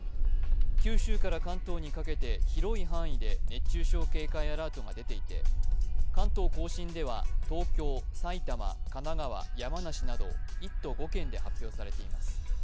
九州から関東にかけて広い範囲で熱中症警戒アラートが出ていて関東甲信では東京、埼玉、神奈川、山梨など１都５県で発表されています。